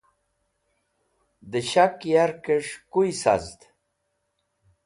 Dẽ shak yarkẽs̃h kuy sazd.